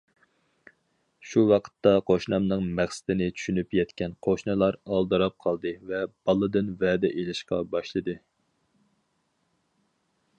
شۇ ۋاقىتتا قوشنامنىڭ مەقسىتىنى چۈشىنىپ يەتكەن قوشنىلار ئالدىراپ قالدى ۋە بالىدىن ۋەدە ئېلىشقا باشلىدى.